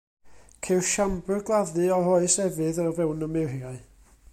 Ceir siambr gladdu o'r Oes Efydd o fewn y muriau.